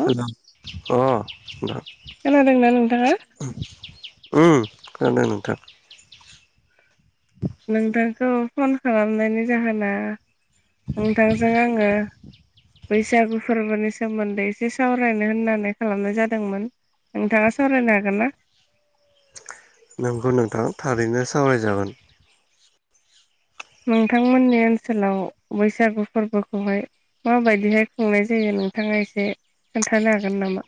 Hello अ नोंथां। खोनादोंना नोंथांङा उम खोनादों नोंथां। औ फन खालामनायनि जाहोना नोंथांजों आङो बैसागु फोरबोनि सोमोन्दै एसे सावरायनो होननानै खालामनाय जादोंमोन। नोंथाङा सावरायनो हागोन ना। नोंगौ नोंथां थारैनो सावरायजागोन। नोंथांमोननि ओनसोलाव बैसागु फोरबोखौहाय माबायदि हाय खुंनाय जायो। नोंथाङा एसे खोनथानो हागोन नामा।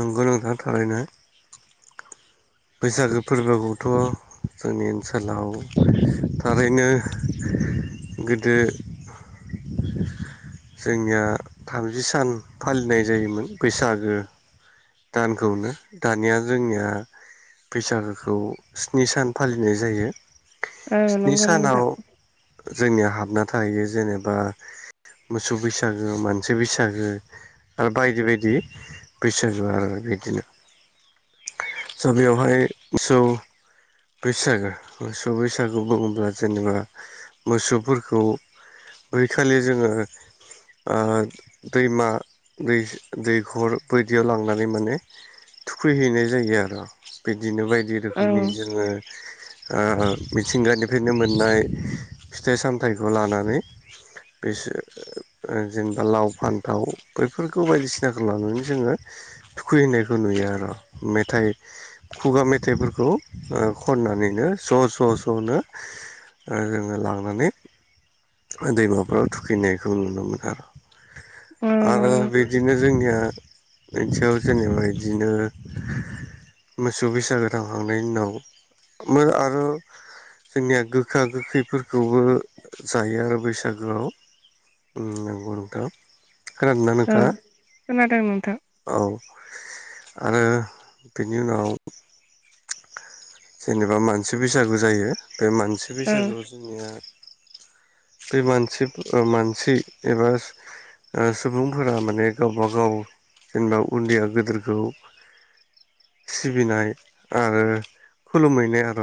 नंगौ नोंथां थारैनो। बैसागो फोरबोखौथ' जोंनि ओनसोलाव थारैनो गोदो जोंनिया थामजि सान फालिनाय जायोमोन बैसागो दानखौनो दानिया जोंनिया बैसागोखौ स्नि सान फालिनाय जायो। औ स्नि नंगौ सानाव नोंथां। जोंनिया हाबना थाहैयो जेनेबा मोसौ बैसागो मानसि बैसागो आरो बायदि बायदि बैसागो। आरो बिदिनो स बेवहाय स बैसागो मोसौ बैसागु बुङोब्ला जेनेबा मोसौफोरखौ। बैखालि जोङो। ओ दैमा दै दैखर बै बिदियाव लांनानै माने थुखैहैनाय जायो आरो बिदिनो बायदि औ रोखोमनि जोङो। [inaudible] ओ-मिथिंगानिफ्रायनो मोननाय फिथाइ सामथाइखौ लानानै। बिसो जेनेबा लाव फान्थाव बैफोरखौ बायदिसिनाखौ लानानै जोङो। थुखै हैनायखौ नुयो आरो मेथाइ। खुगा मेथाइफोरखौ ओ-खननानैनो स स सनो। जोङो लांनानै दैमाफ्राव थुखैनायखौ नुनो मोनो आर। औ आरो नंगौ बिदिनो जोंनिया। बिनिसायाव जेनेबा इदिनो। मोसौ बैसागो थांखांनायनि उनाव आरो। जोंनिया गोखा गोखैफोरखौबो। जायो आरो बैसागोआव उम नंगौ नोंथां। खोनादोंना औ नोंथाङा खोनादों नोंथां। औ आरो बेनि उनाव। जेनेबा मानसि बैसागु जायो बे मानसि औ बैसागुआव जोंनिया। [inaudible] बे मानसि ओ-मानसि एबा ओ-सुबुंफोरा माने गावबा गाव जेनेबा उन्दैया गेदोरखौ। सिबिनाय आरो। खुलुमहैनाय आर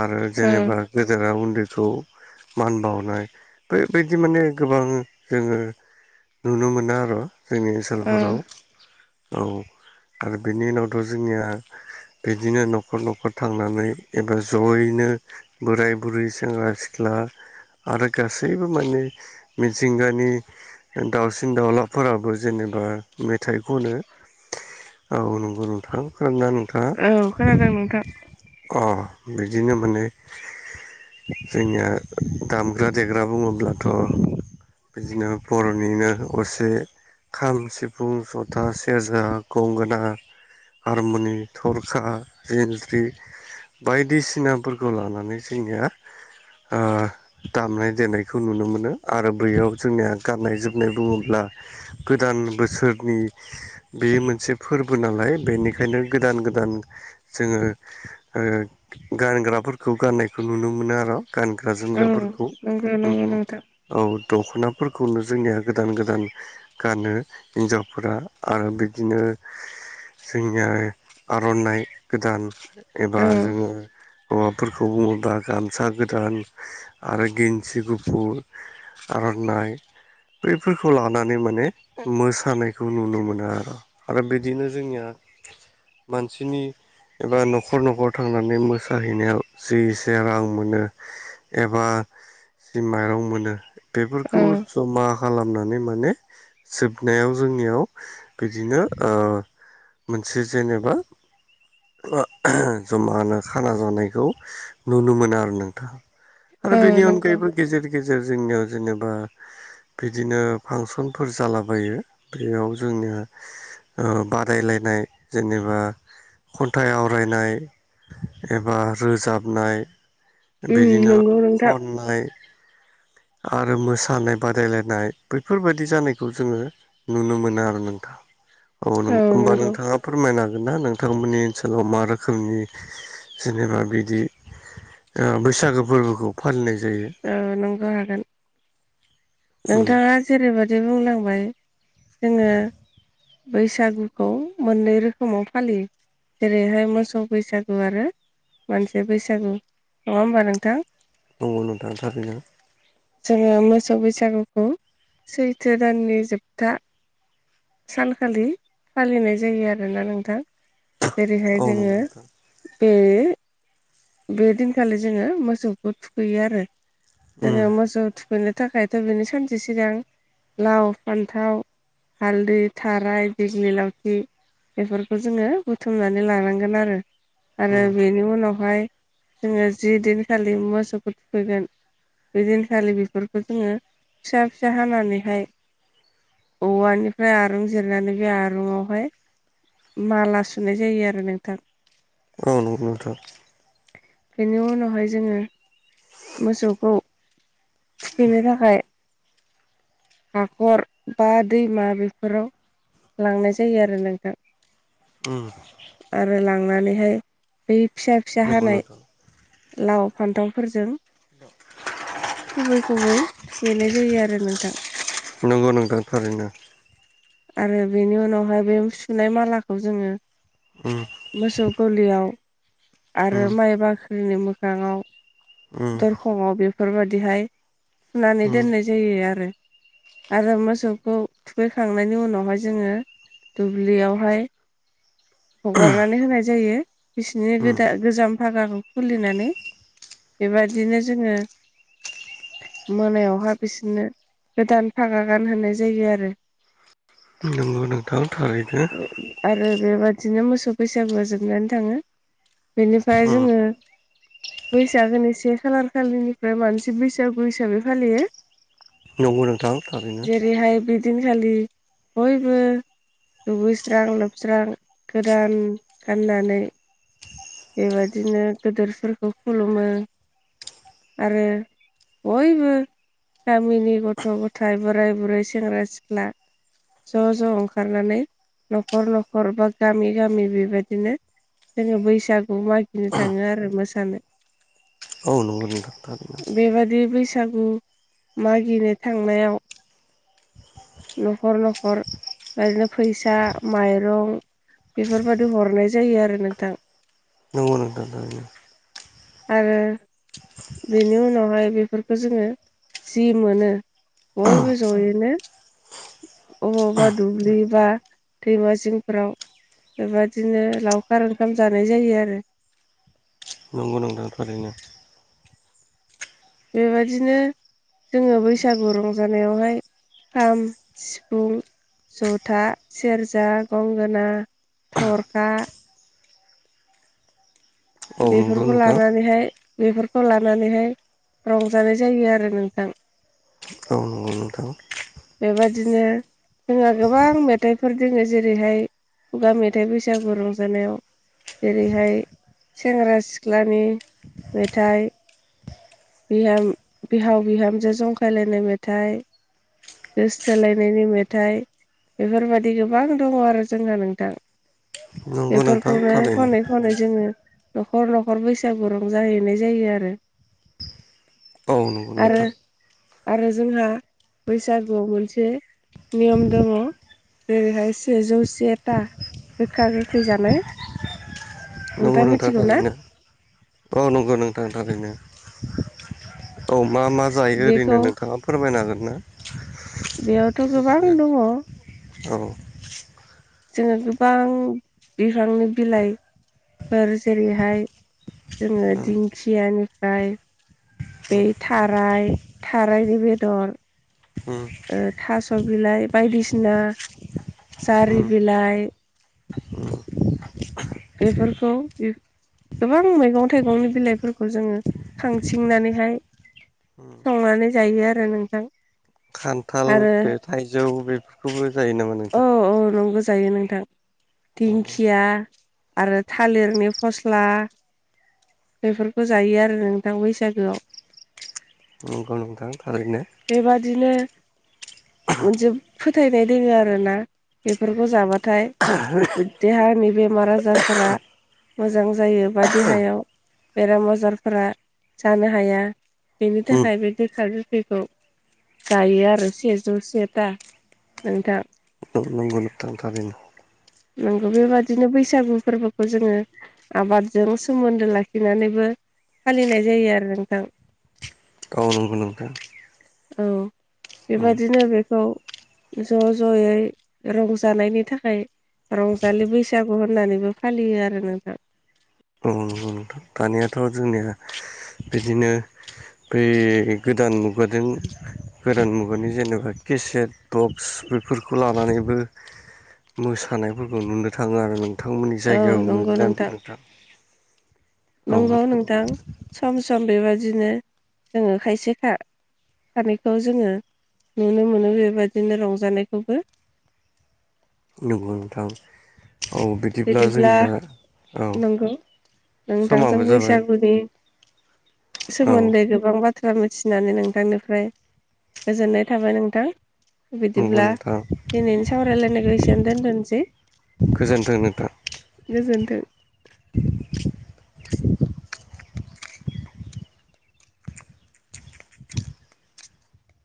आरो औ जेनेबा गेदेरा उन्दै खौ मान बावनाय बेबायदि माने गोबां जोङो। नुनो मोनो आरो जोंनि औ ओनसोलफोराव। औ आरो बिनि उनावथ जोंनिया बिदिनो नख नखर नखर थांनानै एबा जयैनो बोराय बुरै सेंग्रा सिख्ला। आरो गासैबो माने मिथिंगानि दाउसिन दाउलाफोराबो जेने- बा मेथाइ खनो औ नं नोंथां खोनादोंना नोंथाङा। औ खोनादों नोंथां अ बिदिनो माने। जोंनिया दामग्रा देग्रा बुङोब्लाथ। बिदिनो बरनिनो असे खाम सिफुं जथा सेरजा गंगोना। हारमनि थरखा। जेनस्रि बायदिसिनाफोरखौ लानानै जोंनिया। दामनाय देनायखौ नुनो मोनो आरो बैयाव जोंनिया गाननाय जोमनाय बुङोब्ला। गोदान बोसोरनि बे मोनसे फोरबो नालाय बेनिखायनो गोदान गोदान जोङो ओ-गानग्राफोरखौ गाननायखौ नुनो मोनो आर। गानग्रा औ जोमग्राफोरखौ नंगौ नंगौ उम नोंथां औ दखना फोरखौनो जोंनिया गोदान गोदान गानो हिनजावफोरा आरो बिदिनो। जोंनिया आर'नाइ गोदान एबा जोङो औ हौवाफोरखौ बुङोब्ला गामसा गोदान आरो गेन्सि गुफुर आरो आरनाय बैफोरखौ लानानै माने मोसानायखौ नुनो मोनो आरो आरो बिदिनो जोंनिया [inaudible] मानसिनि एबा न'खर न'खर थांनानै मोसाहैनायाव जि एसे रां मोनो एबा जि माइरं मोनो बेफोरखौ औ जमा खालामनानै माने जोबनायाव जोंनियाव बिदिनो ओ मोनसे जेनेबा आ [unintelligible] जमानो खाना जानायखौ नुनो मोनो आरो नोंथाहा आरो ओ बेनि नंगौ। अनगायैबो गेजेर गेजेर जोंनियाव जेनेबा बिदिनो फांसनफोर जालाबायो बेयाव जोंनिया ओ बादायलायनाय जेनेबा खन्थाइ आवरायनाय एबा रोजाबनाय उम बिदिनो नंगौ नोंथां। खननाय [inaudible] आरो मोसानाय बादायलायनाय बैफोरबायादि जानायखौ जोङो नुनो मोना आरो नोंथां। औ नों होमबा नोंथाङा फोरमायनो हागोन ना नोंथां? मोनि ओनसोलाव मा रोखोमनि जिनेबा बिदि ओ बैसागो फोरबोखौ फालिनाय जायो ओ नंग' हागोन। उम नोंथाङा जेरैबादि बुंलांबाय जोङो बैसागुखौ मोननै रोखोमाव फालियो। जेरैहाय मोसौ बैसागु आरो मानसि बैसागु नङा होमबा नोंथां? दङ नोंथां थारैनो जोङो मोसौ बैसागुखौ सैथो दाननि जोबथा सानखालि फालिनाय जायो आरोना नोंथां। जेरैहाय औ जोङो नंगौ नोंथां बे बे दिनखालि जोङो मोसौखौ थुखैयो आरो उम जोङो मोसौ थु मोननो थाखायथ' बेनो सानसे सिगां लाव फान्थाव हालदै थाराय दिग्लि लावथि बेफोरखौ जोङो बुथुमनानै लानांगोन आरो उम आरो बेनि उनावहाय जोङो जि दिनखालि मोसौखौ थुखैगोन बेदिनखालि बेफोरखौ जोङो फिसा फिसा हानानैहाय औवानिफ्राय आरुं जिरनानै बे आरुंआवहाय माला सुनाय जायो आरो नोंथां। औ नंगौ नोंथां। बेनि उनावहाय जोङो मोसौखौ थुखैनो थाखाय हाखर बा दैमा बेफोराव लांनाय जायो आरो नोंथां। उम नानैहाय बै फिसा फिसा नंगौ हानाय नोंथां लाव फान्थावफोरजों खुबै खुबै थुखैनाय जायो आरो नोंथां। नंगौ नोंथां थारैनो। आरो बेनि उनावहाय बे सुनाय मालाखौ जोङो उम मोसौ गलियाव आरो उम माइ बाख्रिनि मोखाङाव उम दरखंआव बेफोरबादिहाय थुनानै उम दोननाय जायो आरो। आरो मोसौखौ थुखै खांनायनि उनावहाय जोङो दुब्लियावहाय हगारनानै होनाय जायो। बिसिनि उम गोदा-गोजाम फागाखौ खुलिनानै बेबादिनो जोङो मोनायावहा बिसोनो गोदान फागा गानहोनाय जायो आरो। नोंगौ नोंथां थारैनो। बिदिनो मोसौ बैसागुआ जोबनानै थाङो। बेनिफाय उम जोङो बैसागोनि से खालार खालिनिफ्राय मानसि बैसागु हिसाबै फालियो। नंगौ नोंथां थारैनो। खालि बयबो दुगैस्रां बेबायदिनो गोदोरफोरखौ खुलुमो आरो बयबो गामिनि गथ'-गथाय, बोराय-बुरै, सेंग्रा-सिख्ला ज' ज' ओंखारनानै न'खर-न'खर बा गामि-गामि बेबादिनो जोङो बैसागु मागिनो थाङो आरो मोसानो औ नंगौ नोंथां थारैनो। बेबादि बैसागु मागिनो थांनायाव न'खर-न'खर बा इदिनो फैसा, माइरं बेफोरबादि हरनाय जायो आरो नोंथां। नंगौ नोंथां थारैनो। आरो बेनि उनावहाय बेफोरखौ जोङो जि मोनो बयबो जयैनो अबावबा दुब्लि बा दैमा जिंफ्राराव बेबादिनो लावखार ओंखाम जानाय जायो आरो। ओं थारैनो। बेबायदिनो जोङो बैसागु रंजानायावहाय खाम, सिफुं, जथा, सेरजा, गंगोना, थरखा औ नंगौ बेफोरखौ नोंथां लानानैहाय बेफोरखौ लानानैहाय रंजानाय जायो आरो नोंथां। औ नंगौ नोंथां। बेबादिनो जोंहा गोबां मेथाइफोर दोङो जेरैहाय खुगा मेथाइ बैसागु रंजानायाव जेरैहाय सेंग्रा-सिख्लानि मेथाइ, बिहाम-बिहाव बिहामजो जंखायलायनाय मेथाइ, गोसो थोलायनायनि मेथाइ बेफोरबायदि गोबां दङ आरो जोंहा नोंथां। नंगौ नोंथां। खौनो थारैनो खनै-खनै जोङो न'खर न'खर बैसागु रंजाहैनाय जायो आरो। औ नंगौ आरो नोंथां। आरो जोंहा बैसागुआव मोनसे नियम दङ जेरैहाय सेजौसेथा गोखा-गोखै जानाय नंगौ नोंथांआ नोंथां मिथिगौ ना? थारैनो औ नंगौ नोंथां थारैनो औ मा मा जायो बेखौ ओरैनो नोंथाङा फोरमायनो हागोन ना? बेयावथ' गोबां दङ। औ जोङो गोबां बिफांनि बिलाइ फोर जेरैहाय जोङो दिंखियानिफाय बे थाराय-थारायनि बेदर उम ओ थास' बिलाइ बायदिसिना, जारि बिलाइ बेफोरखौ बे गोबां मैगं थाइगंनि बिलाइफोरखौ जोङो खांथिंनानैहाय उम संनानै जायो आरो नोंथां खान्थाल आरो बे थाइजौ बेफोरखौबो जायो नामा औ नोंथां औ नंगौ जायो नोंथां औ दिंखिया आरो थालिरनि फस्ला बेफोरखौ जायो आरो नोंथां बैसागोआव औ नोंथां थारैनो बेबादिनो मोनसे फोथायनाय दोङो आरो ना बेफोरखौ जाबा थाय देहानि बेमार आजारफोरा मोजां जायो बा देहायाव बेराम आजारफोरा जानो हाया बेनि उम थाखाय बे गोखा गोखैखौ जायो आरो सेजौ सेथा नोंथां [inaudible] नंगौ बेबादिनो बैसागु फोरबोखौ जोङो आबादजों सोमोन्दो लाखिनानैबो फालिनाय जायो आरो नोंथां। औ नोंगौ नोंथां औ उम बेबादिनो बेखौ ज जयै रंजानायनि थाखाय रंजालि बैसागु होननानैबो फालियो आरो नोंथां औ नंगौ नोंथां दानियाथ जोंनिया बिदिनो बै गोदान मुगादों गोदान मुगानि जेनेबा केसेट बक्स बेफोरखौ लानानैबो मोसानायफोरखौ नुनो थाङो आरो नों थांमोननि औ जायगायाव नंगौ नुयोना नोंथां औ नंगौ औ नोंथां सम सम बेबायदिनो जोङो खायसेखा हानायखौ जोङो नुनो मोनो बेबायदिनो रंजानायखौबो [inaudible] नंगौ नोंथां औ बिदिब्ला जोंनिया औ नंगौ नोंथांजों समाबो जाबाय बैसागुनि औ सोमोन्दै गोबां बाथ थ्रा मिथिनानै नोंथांनिफ्राय गोजोननाय थाबाय नोंथां नंगौ बिदिब्ला नोंथां दिनैनि सावरायलायनायखौ एसेनो दोनथनोसै [inaudible] दे [unintelligible]